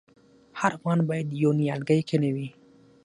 هر افغان باید یو نیالګی کینوي؟